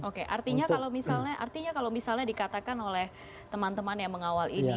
oke artinya kalau misalnya dikatakan oleh teman teman yang mengawal ini